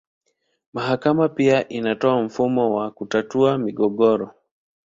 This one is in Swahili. Mahakama pia inatoa mfumo wa kutatua migogoro.